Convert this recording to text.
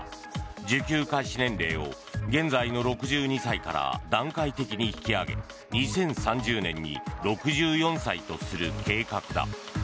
受給開始年齢を現在の６２歳から段階的に引き上げ２０３０年に６４歳とする計画だ。